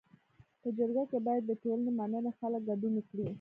په جرګه کي باید د ټولني منلي خلک ګډون وکړي.